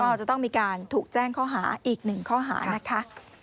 ก็จะต้องมีการถูกแจ้งข้อหาอีกหนึ่งข้อหานะคะ